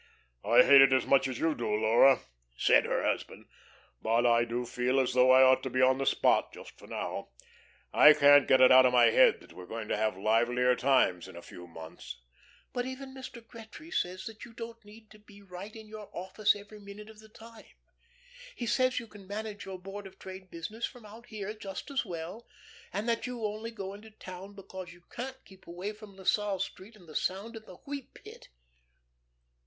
"I hate it as much as you do, Laura," said her husband. "But I do feel as though I ought to be on the spot just for now. I can't get it out of my head that we're going to have livelier times in a few months." "But even Mr. Gretry says that you don't need to be right in your office every minute of the time. He says you can manage your Board of Trade business from out here just as well, and that you only go into town because you can't keep away from La Salle Street and the sound of the Wheat Pit."